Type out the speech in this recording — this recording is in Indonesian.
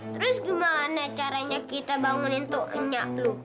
terus gimana caranya kita bangunin tuh nyak lo